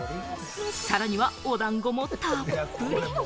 さらには、お団子もたっぷり！